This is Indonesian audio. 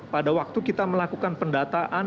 pada waktu kita melakukan pendataan